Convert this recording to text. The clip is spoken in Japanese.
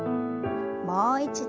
もう一度。